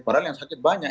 padahal yang sakit banyak